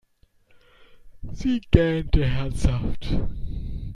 Sie gähnte herzhaft.